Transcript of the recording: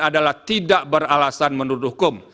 adalah tidak beralasan menurut hukum